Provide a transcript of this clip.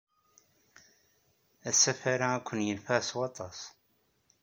Asafar-a ad ken-yenfeɛ s waṭas.